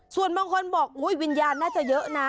ส่วนบางคนบอกวิญญาณน่าจะเยอะนะ